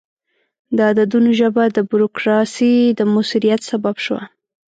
د عددونو ژبه د بروکراسي د موثریت سبب شوه.